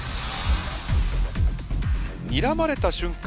にらまれた瞬間